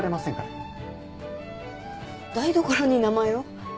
台所に名前を？